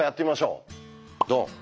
ドン。